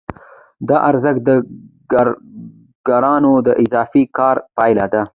دا ارزښت د کارګرانو د اضافي کار پایله ده